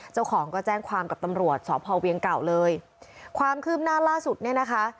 เจ้าของก็แจ้งความกับตำรวจสพเวียงเก่าเลยความคืบหน้าล่าสุดเนี่ยนะคะ